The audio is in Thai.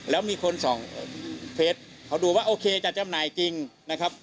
แล้วมีคนส่องเฟสเขาดูว่าโอเคจะจำหน่ายจริงนะครับ